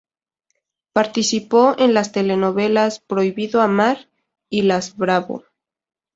Participó en las telenovelas Prohibido amar, y Las Bravo.